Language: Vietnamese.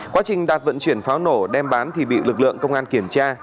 quá trình đạt vận chuyển pháo nổ đem bán thì bị lực lượng công an kiểm tra